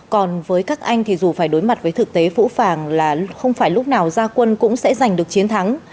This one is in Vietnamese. còn với các anh thì dù phải đối mặt với thực tế phũ phàng là không phải lúc nào gia quân cũng sẽ giành được chiến thắng